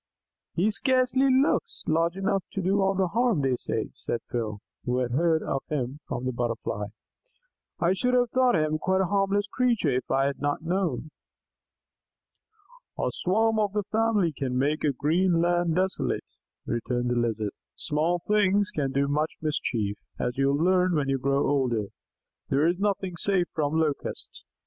"He scarcely looks large enough to do all the harm they say," said Phil, who had heard of him from the Butterfly. "I should have thought him quite a harmless creature if I had not known." "A swarm of his family can make a green land desolate," returned the Lizard. "Small things can do much mischief, as you will learn when you grow older. There is nothing safe from Locusts.